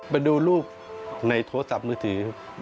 ไปดูลูกในโทรศัพท์มือถือ